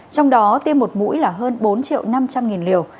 trong đó tiêm một mũi là hơn bốn năm trăm linh liều